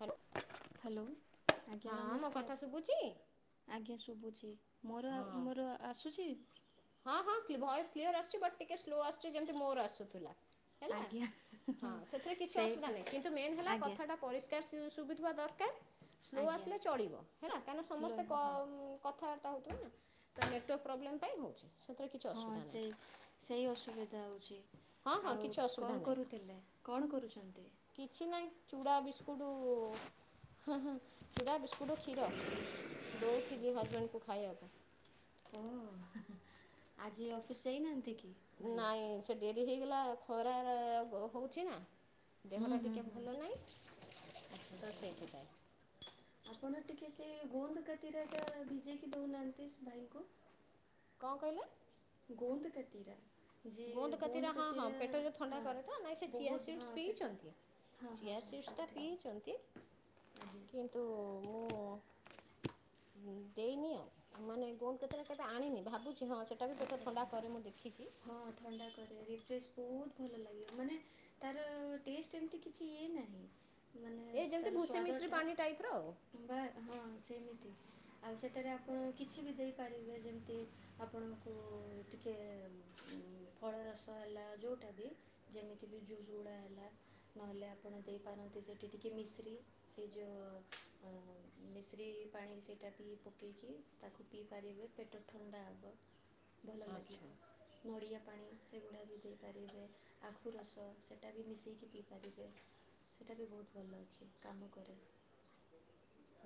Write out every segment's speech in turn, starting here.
Hall hello ଆଜ୍ଞା କଥା ନମସ୍କାର ଶୁଭୁଛି ଆଜ୍ଞା ଶୁବୁଛି। ଇ ମୋର ହଁ ମୋର ଆସୁଛି। ହଁ ହଁ ଭଏସ୍ କ୍ଲିୟର ଆସୁଛି। ବଟ୍ ଟିକେ ସ୍ଲୋ ଆସୁଛି ଯେମିତି ମୋର ଆସୁଥିଲା। ହେଲା ଆଜ୍ଞା ହଁ ସେଥିରେ କିଛି ଅସୁବିଧା ସେଇଟା ନାହିଁ। କିନ୍ତୁ ମେନ୍ ହେଲା ଆଜ୍ଞା କଥା ଟା ପରିଷ୍କାର ସୁବିଧା ଥିବା ଦରକାର। ସ୍ଲୋ ଆଜ୍ଞା ଆସିଲେ ଚଳିବ ହେଲା। କାହିଁକିନା ସ୍ଲୋ ସମସ୍ତେ ହଁ କଥା ଟ ହୋଉଥିବ ନାଁ। ତ ନେଟୱାର୍କ ପ୍ରୋବ୍ଲେମ୍ ପାଇଁ ହଉଛି। ହଁ ସେଇ ସେଇ ଅସୁବିଧା ହଉଛି। ହଁ ହଁ ଆଉ କିଛି ଅସୁବିଧା କଣ ନାହିଁ କରୁଥିଲେ କଣ କରୁଛନ୍ତି? ଚୁଡା ବିସ୍କୁଟ ହଁ ହଁ ଚୁଡା ବିସ୍କୁଟ କଡ କ୍ଷୀର ଦଉଥିଲି ହଜବେଣ୍ଡ କୁ ଖାଇବାକୁ। ଓହ ଆଜି ଅଫିସ୍ ଯାଇନାହାନ୍ତି କି। ଭାଇ ନାଇଁ ସେ ଡେରି ହେଇ ଲା ଖରା ହଉଛି ନା। ହୁଁ ଦେହଟା ହୁଁ ଟିକେ ହୁଁ ଭଲ ନାହିଁ। ଆଚ୍ଛା ତ ଆଚ୍ଛା ଆପଣ ଟିକେ ସେଇଥିପାଇଁ। ସେ ଗୋନ୍ଦ କାତିରଟ ବିଜେକି ଦଉନାହାଁନ୍ତି ଭାଇଙ୍କୁୁ। କଣ କହିଲା। ଗୋନ୍ଦ କାତିରା। ଗୋନ୍ଦ କାତିରା ହଁ ହଁ ପେଟ ଯୋଉ ଥଣ୍ଡା ହଁ କରେ ତ। ନାଇଁ ସେ ଚିୟା ବହୁତ ହଁ ସିଡସ୍ ସେଟା ପିଇଛନ୍ତି। ହଁ ହଁ ଚିୟାର ହଁ ସିଡସ୍ ଟା ସେଇଟା ହିଁ ପିଇଛନ୍ତି। ଆଜ୍ଞା କିନ୍ତୁ ମୁଁ ଦେଇନି ଆଉ ମାନେ ଗୋନ୍ଦ କତିରା କେବେ ଆଣିନି। ଭାବୁଛି ହଁ ସେଟା ବି ପେଟ ଆଚ୍ଛା ଥଣ୍ଡା ଆଚ୍ଛା କରେ। ମୁଁ ଦେଖ ହଁ ଥଣ୍ଡା ରେ ରିଫ୍ରେଶ୍ ବହୁତ ଭଲ ଲାଗେ। ମାନେ ତାର ଟେଷ୍ଟ୍ ଏମିତି କିଛି ଇଏ ନାହିଁ। ମାନେ ଏ ଯେମିତି ତାର ଭୁସି ମିଶ୍ରି ପାଣି ଟାଇପ୍ର ଆଉ ସ୍ୱାଦଟା ବା ହଁ ସେମିତି। ଆଉ ସେଠାରେ ଆପଣ କିଛି ବି ଦେଇପାରିବେ ଯେମିତି ଆପଣଙ୍କୁ ଟିକେ ଫଳରସ ହେଲା ଯେଉଁଟା ବି ଯେମିତି ବି ଜୁସ୍ ଗୁଡ଼ା ହେଲା ନହେଲେ ଆପଣ ଦେଇପାରନ୍ତି ସେଇଠି ଟିକେ ମିଶ୍ରି ସେ ଯେଉଁ ମିଶ୍ରି ପାଣି ସେଇଟା ବିି ପକାଇକି ତାକୁ ପିଇପାରିବେ ପେଟ ଥଣ୍ଡା ହେବ। ଭଲ ଆଚ୍ଛା ଲାଗିବ। ନଡ଼ିଆ ପାଣି ସେଗୁଡ଼ା ବି ଦେଇପାରିବେ ଆଖୁ ରସ ସେଇଟା ବି ମିଶେଇକି ପିଇପାରିବେ ସେଇଟା ବି ବହୁତ ଭଲ ଅଛି କାମ କରେ।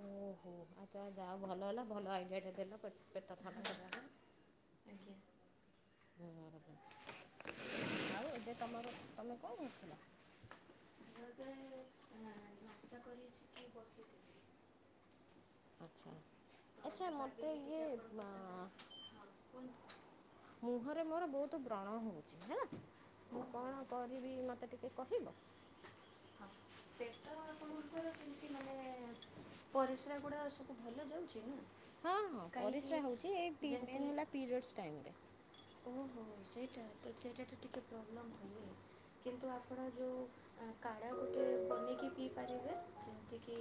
ଓହୋ ଆଚଛା ଯାଅ ଭଲ ହେଲା ଭଲ ଆଇଡିଆ ଟେ ଦେଲ ପେଟ ଥଣ୍ଡ କରିବା ଆଜ୍ଞା ପାଇଁ ହ। ଆଉ ଏବେ ତମର ତମେ କଣ କରୁଥିଲ? ମିସିକି ବସିଥିଲି। ଆଚ୍ଛା। ତ ଆଛା ମୁଁ ମତେ ଭାବିଲି ଇଏ ଟିକେ ଆପଣଙ୍କ ମା ସାଙ୍ଗରେ ହଁ କୁହନ୍ତୁ ମୁହଁ ମୋର ବହୁତ ବ୍ରଣ ହଉଛି ହେଲା ମୁଁ କଣ କରିବି ମତେ ଟିକେ କହିବ? ହଁ ପେଟ ପରିସ୍ରାଗୁଡ଼ା ସବୁ ଭଲ ଯାଉଛି ନା। ହଁ ହଁ କାହିଁକି ପରିସ୍ରା ହଉଛି ଏଇ ତିନି ଯେମିତି ଦିନ ହେଲା ପିରିୟଡ଼୍ସ ଟାଇମ୍ ରେ ଓହୋ ସେଇଟା ତ ସେଇଟା ତ ଟିକେ ପ୍ରୋବ୍ଲେମ୍ ହୁଏ କିନ୍ତୁ ଆପଣ ଯେଉଁ କାଢ଼ା ଗୋଟେ ବନେଇକି ପିଇପାରିବେ ଯେମିତିକି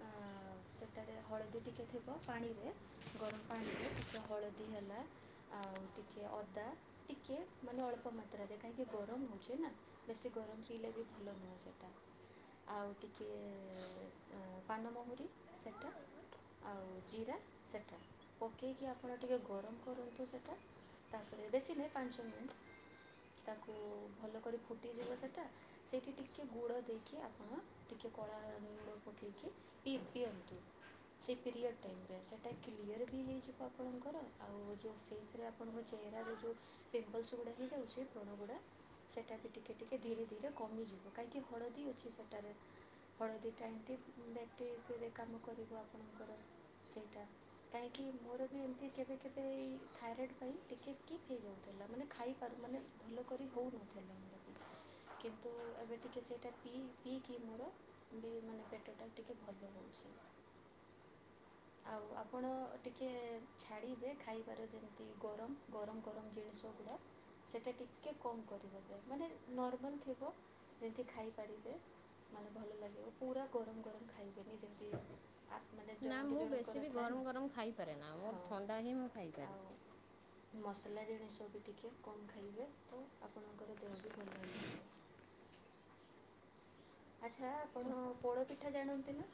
ହଁ ସେଠାରେ ହଳଦୀ ଟିକେ ଥିବ ପାଣିରେ ଗରମ ପାଣିରେ ଟିକେ ହଳଦୀ ହେଲା ଆଉ ଟିକେ ଟିକିଏ ଅଦା ଟିକିଏ ମାନେ ଅଳ୍ପ ମାତ୍ରାରେ କାହିଁକି ଗରମ ହଉଛି ନା ବେଶୀ ଗରମ ପିଇଲେ ବି ଭଲ ନୁହେଁ ସେଟା ଆଉ ଟିକିଏ ପାନମହୁରି ସେଟା ଆଉ ଜିରା ସେଟା ପକେଇକି ଆପଣ ଟିକେ ଗରମ କରନ୍ତୁ ସେଟା ତାପରେ ବେଶୀ ନାହି ପାଞ୍ଚ ମିନିଟ୍ ତାକୁ ଭଲ କରି ଫୁଟିଯିବ ସେଟା, ସେଇଠି ଟିକିଏ ଗୁଡ଼ ଦେଇକି ଆପଣ ଟିକିଏ କଳାଳୁଣ ପକେଇକିି ପିଅ ପିଅନ୍ତୁ। ସେଇ ପିରିଅଡ଼୍ ଟାଇମରେ ସେଇଟା କ୍ଲିଅର୍ ବି ହେଇଯିବ ଆପଣଙ୍କର ଆଉ ଯେଉଁ ଫେସ୍ ରେ ଆ ଆପଣଙ୍କ ଚେହେରାରେ ଯେଉଁ ପିମ୍ପଲ୍ସ ଗୁଡ଼ା ହେଇଯାଉଛି ବ୍ରଣ ଗୁଡ଼ା ସେଇଟା ବି ଟିକେ ଟିକିଏ ଧୀରେ ଧୀରେ କମିଯିବ କାହିଁକି ହଳଦୀ ଅଛି ସେଟାରେ ହଳଦୀଟା ଏମିତି ବ୍ୟାକ୍ଟେରିକରେ କାମ କରିବ ଆପଣଙ୍କର ସେଇଟା କାହିଁକି ମୋର ବି ଏମିତି କେବେ କେବେ ଏ ଥାଇରଏଡ଼୍ ପାଇଁ ଟିକେ ସ୍କିପ୍ ହେଇଯାଉଥିଲା ମାନେ ଖାଇପାରୁ ମାନେ ଭଲ କରି ହେଉନଥିଲା ମୋ ବି କିନ୍ତୁ ଏବେ ଟିକିଏ ସେଇଟା ପିଇ ପିଇକି ମୋର ବି ମାନେ ପେଟଟା ଟିକେ ଭଲ ରହୁଛି। ଆଉ ଆପଣ ଟିକିଏ ଛାଡ଼ିବେ ଖାଇବାର ଯେ ତି ଗରମ ଗରମ ଗରମ ଜିନିଷ ଗୁଡ଼ା ସେଇଟା ଟିକଏ କମ୍ କରିଦେବେ ମାନେ ନର୍ମାଲ୍ ଥିବ ଯେମିତି ଖାଇପାରିବେ, ମାନେ ଭଲ ଲାଗିବ ପୁରା ଗରମ ଗରମ ଖାଇ ନା ମୁଁ ଜଣଙ୍କର ବେଶୀ ବି ଥାଏ ନା ଗରମ ଗରମ ଖାଇପାରେ ନା ହଁ ମୋର ଥଣ୍ଡା ହିଁ ମୁଁ ଖାଇପାରେ। ଆଉ ମସଲା ଜିଣିଷ ବି ଟିକେ କମ୍ ଖାଇବେ ତ ଆପଣଙ୍କର ଦେହ ବି ଭଲ ହେଇଯିବ। ଆଚ୍ଛା ଆପଣ ପୋଡ଼ପିଠା ଜାଣନ୍ତି ନା?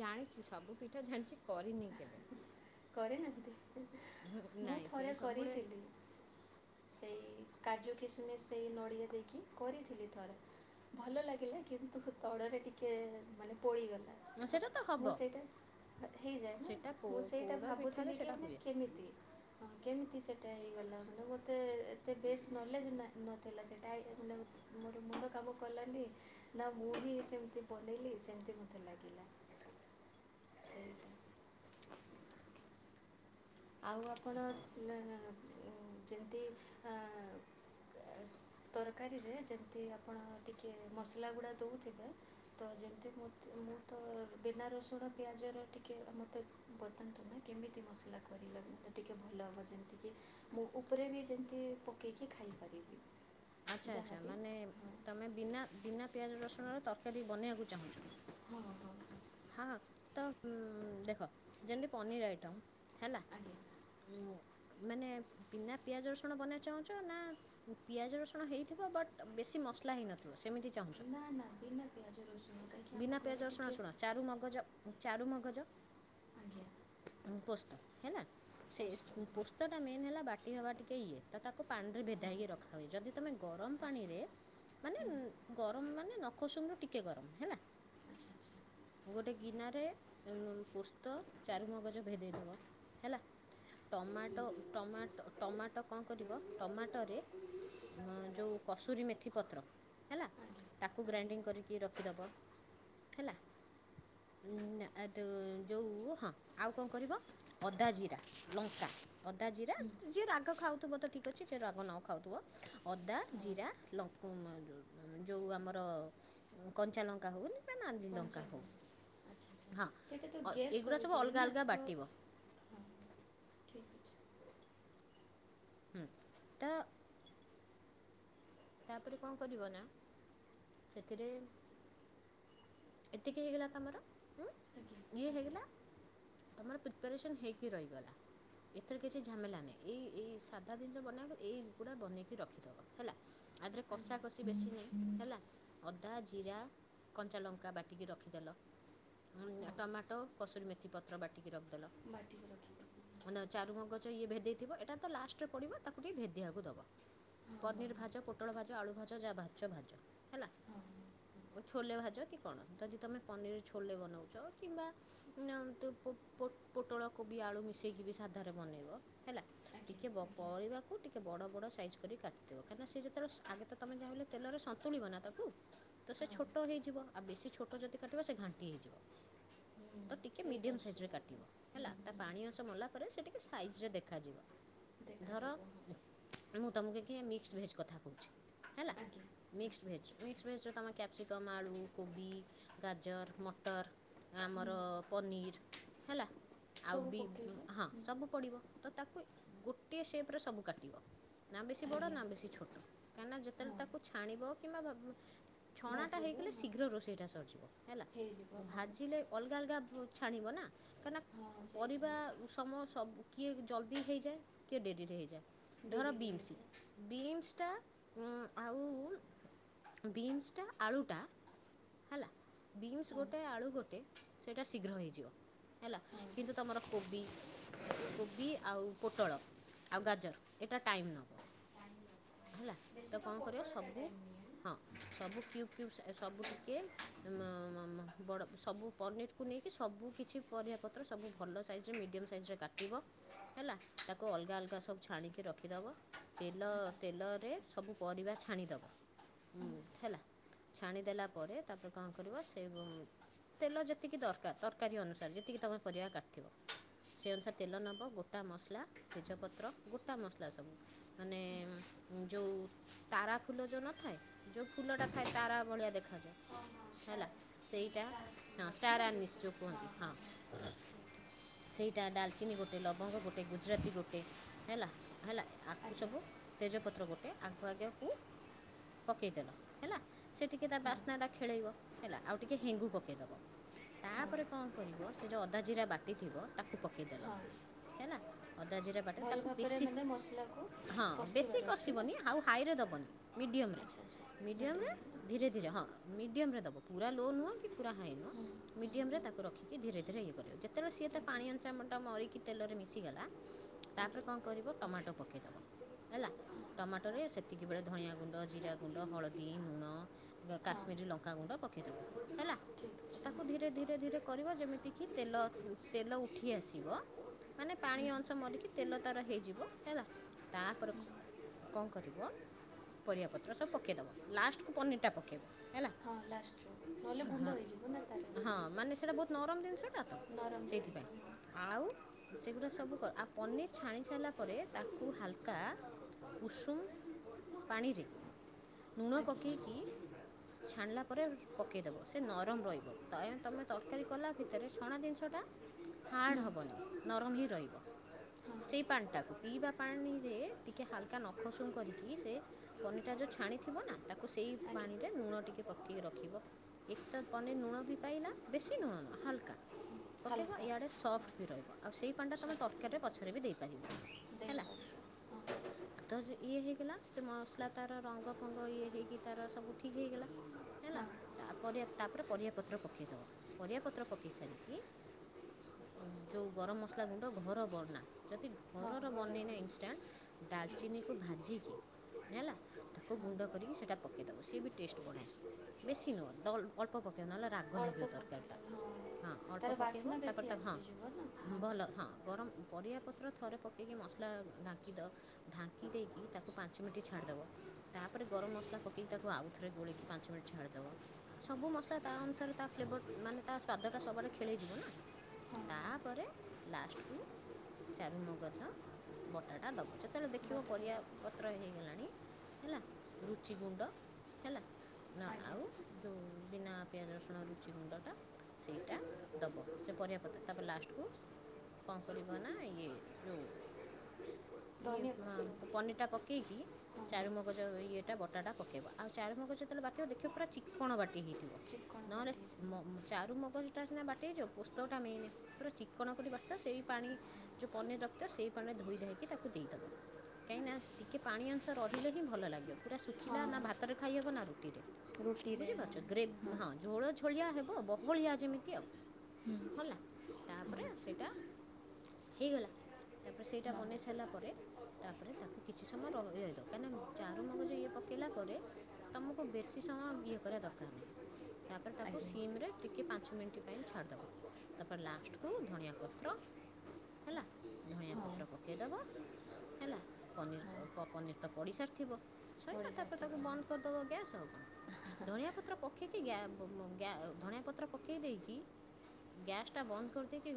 ଜାଣିଛି ସବୁ ପିଠା ଜାଣିଛି କରିନି କେବେ। କରେ ନା କେତେ ମୁଁ ନାଇଁ ସେ ଥରେ ସବୁବେଳେ କରିଥିଲି। ସେଇ କାଜୁ କିଶମିସ୍ ସେଇ ନଡ଼ିଆ ଦେଇକି କରିଥିଲି ଥରେ ଭଲ ଲାଗିଲା କିନ୍ତୁ ତଡ଼ରେ ଟିକେ ମାନେ ପୋଡ଼ିଗଲା। ତ ସେଟା ହବ। ମୁଁ ସେଇଟା ହେଇଯାଏ ନା ସେଟା ମୁଁ ସେଇ ସେଟା ପୋଡ଼ ପିଠାରେ ଭାବୁଥିଲି କି ସେଇଟା ମାନେ ହୁଏ କେମିତି କେମିତି ସେ ସେଇଟା ହେଇଗଲା ମାନେ ମୋତେ ଏତେ ବେଶ୍ ନଲେଜ ନଥିଲା ସେଇଟା ହେ ମାନେ ମୋର ମୁଣ୍ଡ କାମ କଲାନି ନା ମୁଢି ସେମିତି ବନେଇଲି ସେମତି ମୋତେ ଲାଗିଲା ସେଇଟା। ଆଉ ଆପଣ ଅ ଯେମିତି ଏଁ ତରକାରୀରେ ଯେମିତି ଆପଣ ଟିକି ମସଲା ଗୁଡ଼ା ଦେଉଥିଲେ ତ ଯେମିତି ମୁଁ ତ ବିନା ରସୁଣ ପିଆଜର ଟିକିେ ମୋତେ ବତାନ୍ତୁ ନାଁ କେମିତି ମସଲା ଖ କରିଲ ଟିକିଏ ଭଲ ହେବ ଯେମିତିକି ମୁଁ ଉପରେ ବି ଯେମିତି ପକେଇକି ଖାଇପାରିବି। ଆଛା ଯାହା ଆଚ୍ଛା ବିି ମାନେ ହଁ ତମେ ବିନା ବିନା ପିଆଜ ରସୁଣର ତରକାରୀ ବନେଇବାକୁ ଚାହୁଁ ହଁ ହଁ ହଁ ହଁ ତ ଦେଖ ଯେମିତି ପନିର୍ ଆଇଟମ୍ ହେଲା ଆଜ୍ଞା ମାନେ ବିନା ପିଆଜ ରସୁଣ ବନେଇ ଚାହୁଁଛ ନା ପିଆଜ ରସୁଣ ହେଇଥିବ ବଟ୍ ବେଶୀ ମସଲା ହେଇନଥିବ ସେମିତି ଚାହୁଁଛ? ନା ନା ବିନା ପିଆଜ ରସୁଣ। କାହିଁକି ଆମ ବିନା ଘରେ ପିଆଜ ଟିକେ ଶୁଣ ଚାରୁ ମଗଜ ଚାରୁୁ ମଗଜ ଆଜ୍ଞା ପୋସ୍ତ ହେଲା। ସେ ପସ୍ତ ହଁ ପୋସ୍ତ ଟା ମେନ୍ ହେଲା ବା ହବା ଟିକେ ଇଏ ତ ତାକୁ ପାଣି ରେ ଭେଦା ହେଉକି ରଖା ହୁଏ ଯଦି ତମେ ଗରମ ଆଚ୍ଛା ପାଣିରେ ଆଚ୍ଛା ମାନେ ହୁଁ ଗରମ ମାନେ ନଖ ଉଷୁମ ରୁ ଟିକେ ଗରମ ହେଲା। ଆଚ୍ଛା ଆଚ୍ଛା ଗୋଟେ ଗିନାରେ ପୋସ୍ତ ଚାରମଗଜ ଭେଦେଇଦବ ହେଲା ଟମାଟୋ ଟମାଟୋ ଟମାଟୋ କଣ କରିବ ଆଜ୍ଞା ଟମାଟୋରେ ଯଉଁ କସୁରୀ ମେଥି ପତ୍ର ହେଲା ତାକୁ ଆଜ୍ଞା ଗ୍ରାଇଣ୍ଡିଙ୍ଗ କରିକି ରଖିଦେବ। ହେଲା ଯୋଉ ହଁ ଆଉ କଣ କରିବ ଅଦା ଜିରା ଲଙ୍କା ଅଦା ଜିରା ହୁଁ। ଯିଏ ରାଗ ଖାଉ ଖାଉଥିବ ତ ଠିକ୍ ଅଛି ଯେ ରାଗ ନଖାଉଥିବ ଅଦା ହଁ ଜିରା ଲଙ୍କ ଯୋଉ ଆମର କଞ୍ଚା ଲଙ୍କା [unintelligible] କଞ୍ଚା ଲଙ୍କା ଆଚ୍ଛା ଆଚ୍ଛା ହଁ ସେଇଟା ତ ଅ ଗ୍ୟାସ୍ ଏଗୁଡ଼ା ସବୁ କରିଦିଏ ଅଲଗା ନା ଅଲଗା ତ ବାଟିବ ଠିକ୍ ଅଛି ହୁଁ ତ ତାପରେ କଣ କରିବ ନା ସେଥିରେ ଏତିକି ହେଇଗଲା ତମର ଆଜ୍ଞା ଇଏ ଆଜ୍ଞା ହେଇଗଲା ତମର ପ୍ରିପାରେସନ ହେଇକି ରହିଗଲା ଏଥର କିଛି ଝାମେଲା ନାହିଁ ଏଇ ଏଇ ସାଧା ଜିନିଷ ବନେଇବା କୁ ଏଇ ଗୁଡାକ ବନେଇକି ରଖିଥବ ହେଲା। ଆ ଦେହରେ କଷା ଆଜ୍ଞା କଷି ବେଶୀ ନାହିଁ ହେଲା ଅଦା ଜିରା କଞ୍ଚାଲଙ୍କା ବାଟିକି ରଖିଦେଲ ହଁ ଟମାଟୋ କସୁରୀ ମେଥି ପତ୍ର ବାଟିକି। କି ବାଟିକି ରଖିଦେବି ରଖିଦେଲ ଚାରମ୍ଗଜ୍ ଭେଦେଇ ଥିବ ଏଟା ତ ଲାଷ୍ଟ ରେ ପଡିବ ତାକୁ ଟିକେ ଭେଦିବାକୁ ଦବ ହଁ ହଁ ହଁ ହଁ ପନିର ଭାଜ ପୋଟଳ ଭାଜ ପୋଟଳ ଭାଜ ଆଳୁ ଭାଜ ଯା ଭାଜୁଚ ଭାଜ ହେଲା ହଁ ହଁ ଛୋଲେ ଭାଜ କି କଣ ଯଦି ତମେ ପନିର ଛୋଲେ ବନଉଛ କିମ୍ବା ପୋଟଳ କୋବି ଆଳୁ ମିଶେଇକି ବି ସାଧାରେ ବନେଇବ ହେଲା ଆଜ୍ଞା ଟିକେ ଆଜ୍ଞା ପରିବାକୁ ଟିକେ ବଡ଼ ବଡ଼ ସାଇଜ୍ କରି କାଟିଦେବ କାହିଁକି ନା ସେ ଆଗେ ତମେ ଯାହେଲେ ତେଲରେ ସନ୍ତୁଳିବ ନା ତାକୁ ତ ସେ ହଁ ଛୋଟ ହେଇଯିବ ଆଉ ବେଶୀ ଛୋଟ ଯଦି କାଟିବ ସେ ଘାଣ୍ଟି ହେଇଯିବ ହୁଁ ତ ଟିକେ ସେଇଟା ମିଡିୟମ ସାଇଜରେ ଅସୁବିଧା ହେବ କାଟିବ ହୁଁ ହେଲା ତା ହୁଁ ପାଣି ଅଂଶ ମଲା ତାପରେ ସେ ଟିକେ ସାଇଜରେ ଦେଖାଯିବ ଧର ଦେଖାଯିବ ହଁ ମୁଁ ତମକୁ ମିକ୍ସ ଭେଜ କଥା ହେଲା ଆଜ୍ଞା ହୁଁ, ମିକ୍ସ ଭେଜ ମିକ୍ସ ଭେଜ୍ ତମେ କ୍ୟାପ୍ସିକମ୍ ଆଳୁ କୋବି ଗାଜର ମଟର ଆମର ହୁଁ ପନିର୍ ହେଲା। ଆଉ ସବୁ ବି ପକେଇଲେ ହଁ ହୁଁ ସବୁ ପଡିବ। ତ ତାକୁ ଗୋଟିଏ ସେପ ରେ ସବୁ କାଟିବ ନା ବେଶୀ ବଡ ଆଜ୍ଞା ନା ବେଶୀ ଛୋଟ କାହିଁନା ଯେତେବେଳେ ହଁ ତାକୁ ଛାଣିବ କିମ୍ବା ଛଣା ଟା ଭାଜିବ ହେଇଗଲେ ହଁ ଶୀଘ୍ର ରୋଷେଇ ଟା ସରିଯିବ ହେଲା ହେଇଯିବ ହଁ ଭାଜିଲେ ଅଲଗା ଅଲଗା ଛାଣିବ ନା କାହିଁକି ନା ହଁ ସେଇଟା ପରିବା ଉସମ ସବୁ କିଏ ଜଲ୍ଦି ହେଇଯାଏ କିଏ ଡେରିରେ ହେଇଯାଏ। ଧର ଡେରିରେ ବିମସ୍ ହେଇଯାଏ ବିମସ୍ ତା ଆଉ ବିନ୍ସଟା ଆଳୁଟା ହେଲା ବିନ୍ସ ହଁ ଗୋଟେ ଆଳୁ ଗୋଟେ ସେଇଟା ଶୀଘ୍ର ହେଇଯିବ ହେଲା ହଁ କିନ୍ତୁ ତମର କୋବି କୋବି ଆଉ ପୋଟଳ ଆଉ ଗାଜର ଏଇଟା ଟାଇମ୍ ଟାଇମ୍ ନେବ। ହେଲା ବେଶୀ ତ କଣ କରିବ ପୋଟଳଟା ସବୁ ଟାଇମ୍ ନିଏ ନା? ହଁ ସବୁ କ୍ୟୁବ୍ କ୍ୟୁବ୍ ସାଇ ସବୁ ଟିକେ ବଡ଼ ସବୁ ପନିରକୁ ନେଇକି ସବୁ କିଛି ପରିବା ପତ୍ର ସବୁ ଭଲ ସାଇଜେ ମିଡ଼ିୟମ୍ ସାଇଜ୍ କାଟିବ ହେଲା ତାକୁ ଅଲଗା ଅଲଗା ସବୁ ଛାଣିକି ରଖିଦେବ ତେଲ ତେଲ ସବୁ ପରିବା ଛାଣିଦବ ହୁଁ ହେଲା ଛାଣିଦେଲା ପରେ ତାପରେ କଣ କରିବ ସେ ତେଲ ଯେତିକି ଦରକାର ତରକାରୀ ଅନୁସାରେ ଯେତିକି ତମର ପରିବା କାଟିଥିବ ସେ ଅନୁସାରେ ତେଲ ନେବ ଗୋଟା ମସଲା ତେଜପତ୍ର ଗୋଟା ମସଲା ସବୁ ମାନେ ଯଉଁ ତାରା ଫୁଲ ଯେଉଁ ନଥାଏ ଯେଉଁ ଫୁଲଟା ଥାଏ ତାରା ଭଳିଆ ଦେଖାଯାଏ ହଁ ହଁ ହେଲା ଷ୍ଟାର୍ ସେଇଟା ଷ୍ଟାର୍ ହଁ ବଟା ଷ୍ଟାର ନା ଆନିଶ୍ଚ ଯୋଉଟା କୁହନ୍ତି ହଁ ହଁ ସେଇଟା ଡାଲଚିନି ଗୋଟେ ଲବଙ୍ଗ ଗୋଟେ ଗୁଜୁରାତି ଗୋଟେ ହେଲା ହେଲା ଆକୁ ଆଜ୍ଞା ସବୁ ତେଜପତ୍ର- ପତ୍ର ଗୋଟେ ଆକୁ ଆଗେ ଆକୁ ପକେଇଦେଲ ହେଲା ସେ ଟିକେ ତା ହଁ ବାସ୍ନା ଟା ଖେଳେଇବ। ହେଲା ଆଉ ଟିକେ ହେଙ୍ଗୁ ପକେଇଦବ ତାପରେ ହଁ କଣ କରିବ ସେ ଯେଉଁ ଅଦା ଜିରା ବାଟି ଥିବ ତାକୁ। ତାକୁ ପକେଇଦେଲ ହଁ ହେଲା ଅଦା ଜୀରା ବାଟିକି ଭଲ ତାକୁ ଭାବରେ ବେଶୀକି ମାନେ ମସଲାକୁ ହଁ ବେଶୀ କଷିବାର ଅଛି ନା କଷିବନି ଆଉ ହାଇ ରେ ଦବନି ମିଡିଅମରେ ଆଚ୍ଛା ଆଚ୍ଛା ମିଡିଅମରେ ମିଡ଼ିୟମ୍ ନା ଧୀରେ ଧୀରେ ହଁ ମିଡ଼ିୟମରେ ଦବ ପୁରା ଲୋ ନୁହଁ କି ପୁରା ହାଇ ନୁହଁ ହୁଁ ହୁଁ ମିଡ଼ିୟମ୍ ରେ ହୁଁ ତାକୁ ରଖିକି ଧୀରେ ଧୀରେ ଇଏ କରିବ ଯେତେବେଳେ ସିଏ ତ ଆଜ୍ଞା ପାଣି ଅଂଶଟା ମରିକି ତେଲରେ ମିଶିଗଲା ତାପରେ ଆଜ୍ଞା କଣ ହଁ କରିବ ଟମାଟୋ ପକେଇଦବ ହଁ ହେଲା। ଟମାଟୋରେ ସେତିକି ବେଳେ ଧଣିଆ ଗୁଣ୍ଡ, ଜିରା ଗୁଣ୍ଡ, ହଳଦୀ, ଲୁଣ, ହଁ କାଶ୍ମୀରୀ ଲଙ୍କାଗୁଣ୍ଡ ପକେଇଦବ ହେଲା ଠିକ୍ ଅଛି ତାକୁ ଧୀରେ ଧୀରେ ଧୀରେ କରିବ ଯେମିତିକି ତେଲ ତେଲ ଉଠି ଆସିବ ମାନେ ପାଣି ଅଂଶ ମରିକି ତେଲ ତାର ହେଇଯିବ ହେଲା ତାପରେ କଣ କରିବ ପରିବାପତ୍ର ସବୁ ପକାଇଦେବ ଲାଷ୍ଟକୁ ପନିର୍ ଟା ପକେଇବ ହଁ ଲାଷ୍ଟରୁ ନହେଲେ ଗୁଣ୍ଡ ହେଇଯିବ ନା ହଁ ତାର ମାନେ ସେଇଟା ବହୁତ ନରମ ଜିନିଷ ଟା ତ ନରମ ଜିନିଷ ସେଇଥିପାଇଁ ଆଉ ସେଗୁଡା ସବୁ କର ଆଉ ପନିର ଛାଣି ସାରିଲା ପରେ ତାକୁ ହାଲକା ଉଷୁମ ପାଣିରେ ନୁଣ ଆଜ୍ଞା ହୁଁ, ପକେଇକି ଛାଣିଲା ରେ ପକେଇଦବ ସେ ନରମ ରହିବ ତ ତମେ ତରକାରୀ କଲା ଭିତରେ ଛଣା ଜିନିଷଟା ହାର୍ଡ ହଁ ହବନି ନରମ ହିଁ ରହିବ। ସେଇ ପାଣି ଟାକୁ ପିଇବା ପାଣିରେ ଟିକେ ଟିକେ ହାଲକା ନଖ ଉଷୁମ୍ କରିକି ସେ ପନିର୍ ଟା ଯୋଉ ଛାଣିଥିବ ନା ତାକୁ ସେଇ ଆଜ୍ଞା ପାଣିରେ ଲୁଣ ଟିକେ ପକେଇକି ରଖିବ ଏକ ତ ପନିର ଲୁଣ ବି ପାଇଲା ବେଶୀ ଲୁଣ ନୁହଁ ହାଲକା ପକେଇବ ହାଲକା ହଁ ଇଆଡେ ସଫ୍ଟ ବି ରହିବ। ଆଉ ସେଇ ପାଣି ଟା ତମେ ସଫ୍ଟ ତରକାରୀରେ ପଛରେ ବି ଦେଇପାରିବ ହେଲା। ଦେଇପାରିବ ହଁ ତ ଇଏ ହେଇଗଲା ସେ ମସଲା ତାର ରଙ୍ଗ ଫଙ୍ଗ ଇଏ ହେଇକି ତାର ସବୁ ଠିକ ହେଇଗଲା ହେଲା ହଁ ତାପରେ ତାପରେ ପରିବାପତ୍ର ପକେଇଦବ ପରିବା ପତ୍ର ପକେଇ ସାରିକି ଯୋଉ ଗରମ ମସଲା ଗୁଣ୍ଡ ଘର ବର୍ଣ୍ଣା ଯଦି ହଁ ଘରର ଗରମ ବନେଇନା ହଁ, ଇନଷ୍ଟାଣ୍ଟ ଡାଲଚିନିକୁ ଭାଜିକି ହେଲା ତାକୁ ଗୁଣ୍ଡ ହଁ କରିକି ସେଇଟା ପକେଇଦବ ସିଏ ବି ଟେଷ୍ଟ ବଢ଼ାଏ ବେଶୀ ନୁହଁ ଅଳ୍ପ ପକ ପକେଇବ ନହେଲେ ରାଗ ଅଳ୍ପ ଲାଗିବ ତରକାରୀ ଟା ପକେଇଲେ ହଁ ଅଳ୍ପ ତାର ପକେଇବ ବାସ୍ନା ବେଶୀ ତାପରେ ତାକୁ ଆସିଯିବ ନା ହଁ ଭଲ ହଁ ଗରମ ପରିବା ପତ୍ର ଥରେ ପକେଇକି ମସଲା ଢାଙ୍କି ଦବ। ଢାଙ୍କି ଦେଇକି ତାକୁ ପାଞ୍ଚ ମିନିଟ ଛାଡିଦବ ତାପରେ ଗରମ ମସଲା ପକେଇକି ତାକୁ ଆଉଥରେ ଗୋଳେଇକି ପାଞ୍ଚ ମିନିଟ୍ ଛାଡିଦବ ସବୁ ମସଲା ତା ଅନୁସାରେ ତା ଫ୍ଲେବର ମାନେ ତା ସ୍ଵାଦ ଟା ସବୁଆଡେ ଖେଳେଇ ଯିବ ନା ହଁ ତାପରେ ଲାଷ୍ଟକୁ ଚାରୁମଗଜ ବଟାଟା ଦବ ଯଦି ଯେତେବେଳେ ଦେଖିବ ବଟାଟା ପରିବା ଦେବ ପତ୍ର ହେଇଗଲାଣି ହେଲା ରୁଚି ଗୁଣ୍ଡ ହେଲା ନା ଆଉ ଆଜ୍ଞା ଯୋଉ ବିନା ପିଆଜ ରସୁଣ ରୁଚି ଗୁଣ୍ଡଟା ସେଇଟା ଦବ ସେ ପରିବା ପତ୍ର ତାପରେ ଲାଷ୍ଟକୁ କଣ କରିବ ନା ଇଏ ଯୋଉ ଇଏ ଧନିଆ ପତ୍ର ପନିରଟା ପକେଇ ପକେଇକି ହଁ ଚାରୁମଗଜ ଇଏଟା ବଟାଟା ପକେଇବ ଆଉ ଚାରୁମଗଜ ଯେତେବେଳେ ବାଟିବ ଦେଖିବ ପୁରା ଚିକଣ ବାଟି ହେଇଥିବ ଚିକ୍କଣ ଥିବ କାଟି ହେଇଥିବ ନହେଲେ ଚାରୁମଗଜଟା ସିନା ବାଟି ହେଇଯିବ ପୋସ୍ତକଟା ମେନ୍ ପୁରା ଚିକ୍କଣ କରିକି ବାଟିଥିବ ସେଇ ପାଣି ଯୋଉ ପନିର ରଖିଥିବ ସେଇ ପାଣିରେ ଧୋଇ ଧାଇକି ତାକୁ ଦେଇ ଦେବ। କାଇଁନା ଟିକେ ପାଣି ଅଂଶ ରହିଲେ ହିଁ ଭଲ ଲାଗିବ। ପୁରା ଶୁଖିଲା ହଁ ନା ଭାତରେ ଖାଇହବ ନା ରୁଟିରେ ରୁଟିରେ ବୁଝିପାରୁଛ ହଁ ଗ୍ରେବ୍ ହଁ ମାନେ ଝୋଳ ଝୋଳିଆ ହେବ ବହଳିଆ ଯେମିତି ଆଉ ହୁଁ, ହୁଁ ହେଲା ହଁ ତାପରେ ସେଇଟା ହେଇଗଲା ତାପରେ ସେଇଟା ଆଜ୍ଞା ବନେଇ ସାରିଲା ପରେ ତାପରେ ତାକୁ କିଛି ସମୟ ରହି ଦବ କାହିଁକିନା ଚାରୁମଗଜ ଇଏ ପକେଇଲା ପରେ ତମକୁ ବେଶି ସମୟ ଇଏ କରିବା ଦରକାର ନାହିଁ ତାପରେ ତାକୁ ସିମ ରେ ଟିକେ ପାଞ୍ଚ ମିନିଟ୍ ପାଇଁ ଛାଡ଼ିଦବ ତାପରେ ଲାଷ୍ଟକୁ ଧଣିଆ ହଁ ପତ୍ର ହେଲା ଧଣିଆ ହଁ ପତ୍ର ପକେଇଦବ ହେଲା ପନିର ପନିର ତ ପଡ଼ିସାରିଥିବ। ଶୋଇବା ତାପରେ ତାକୁ ଓଡ଼ିଶା ବନ୍ଦ କରିଦବ ଗ୍ୟାସ ଆଉ କଣ ଧଣିଆ ପତ୍ର ପକେଇି ଧଣିଆ ପତ୍ର ପକେଇ ଦେଇକି ଗ୍ୟାସ୍ ଟା ବନ୍ଦ କରିଦେଇକି